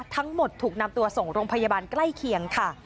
ถูกนำตัวส่งโรงพยาบาลใกล้เคียงค่ะ